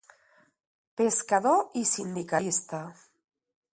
Pescador i sindicalista.